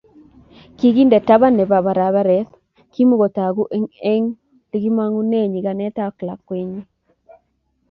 kikinde taban ne bo barabaret kimokotoku eng likimongunee nyikanatet ak lakwenyi